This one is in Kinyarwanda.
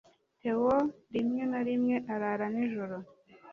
Theo rimwe na rimwe arara nijoro